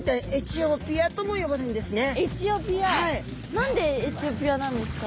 何でエチオピアなんですか？